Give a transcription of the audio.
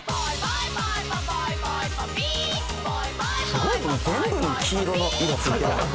「すごいこの全部に黄色の色付いてるの」